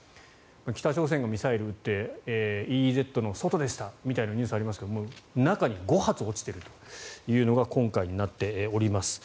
北朝鮮がミサイルを撃ってＥＥＺの外でしたみたいなニュースがありますが中に５発落ちているというのが今回になっております。